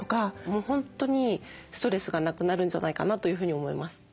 もう本当にストレスがなくなるんじゃないかなというふうに思います。